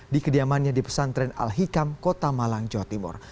di kediamannya di pesantren al hikam kota malang jawa timur